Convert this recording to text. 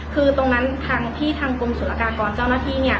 คือตรงนั้นทางที่ทางกรมศุลกากรเจ้าหน้าที่เนี่ย